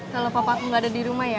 kalau bapak aku nggak ada di rumah ya